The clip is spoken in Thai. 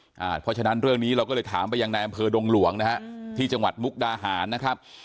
เพราะฉะนั้นเรื่องนี้เราก็เลยถามไปยังในอำเภอดงหลวงนะฮะที่จังหวัดมุกดาหารนะครับ